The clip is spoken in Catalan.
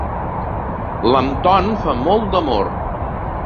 L'Anton fa molt d'amor.